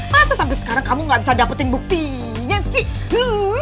masa sampai sekarang kamu gak bisa dapetin buktinya sih